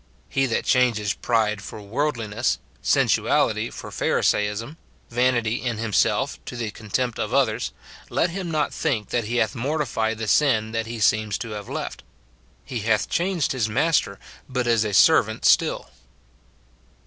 He that changes pride for worldliness, sensuality for Pharisaism, vanity in himself to the contempt of others, let him not think that he hath mortified the sin that he seems to have left. He hath changed his master, but is a servant still.